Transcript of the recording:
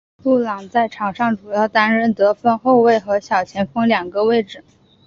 布朗在场上主要担任得分后卫和小前锋两个位置。